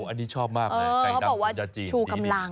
อันนี้ชอบมากเลยเขาบอกว่าชูกำลัง